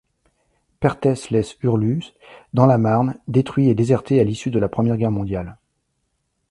Perthes-lès-Hurlus, dans la Marne, détruit et déserté à l'issue de la Première Guerre Mondiale.